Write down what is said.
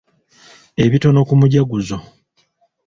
Ebitono ku mujaguzo.